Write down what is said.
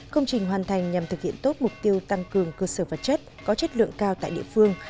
công trình hoàn thành nhằm thực hiện tốt mục tiêu tăng cường cơ sở vật chất có chất lượng cao tại địa phương